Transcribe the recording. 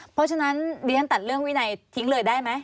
เพราะฉะนั้นเรียนตัดเรื่องวินัยทิ้งเลยได้ไหม